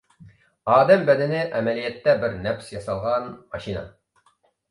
ئادەم بەدىنى ئەمەلىيەتتە بىر نەپىس ياسالغان ماشىنا.